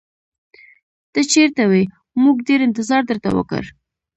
ته چېرته وې؟ موږ ډېر انتظار درته وکړ.